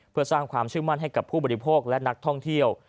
เพื่อสร้างความเชื่อมั่นให้กับผู้บริโภคและนักท่องเที่ยว